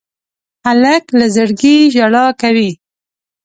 هلک له زړګي ژړا کوي.